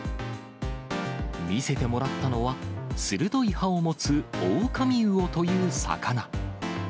見せてもらったのは、鋭い歯を持つオオカミウオという魚。